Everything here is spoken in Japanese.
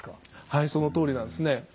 はいそのとおりなんですね。